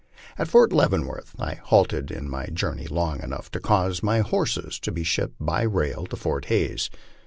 At Fort Leavenworth I halted in my journey long enough to cause my horses to be shipped by rail to Fort Hays.